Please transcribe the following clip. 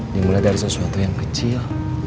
dimulai dari sesuatu yang kecil